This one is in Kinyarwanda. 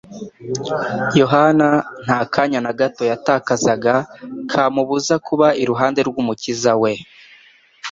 Yohana nta kanya na gato yatakazaga kamubuza kuba iruhande rw'Umukiza we,